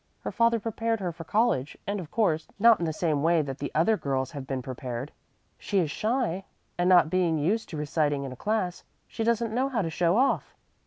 Her father prepared her for college, and, of course, not in the same way that the other girls have been prepared. She is shy, and not being used to reciting in a class, she doesn't know how to show off.